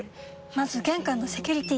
まず玄関のセキュリティ！